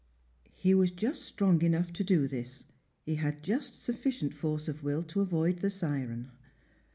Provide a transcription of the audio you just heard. He was just strong enough to do this; he had just sufficient force of will to avoid the siren.